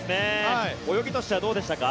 泳ぎとしてはどうでしたか。